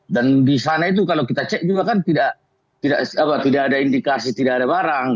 dan di sana itu kalau kita cek juga kan tidak ada indikasi tidak ada barang